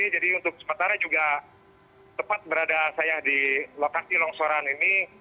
jadi untuk sementara juga tepat berada saya di lokasi longsoran ini